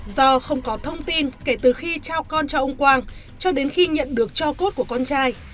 do không có thông tin kể từ khi trao con cho ông quang cho đến khi nhận được cho cốt của con trai